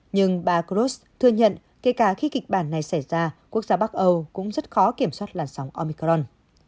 nhưng bà kros thừa nhận kể cả khi kịch bản này xảy ra quốc gia bắc âu cũng rất khó kiểm soát làn sóng omicron